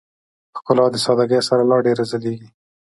ښکلا د سادهګۍ سره لا ډېره ځلېږي.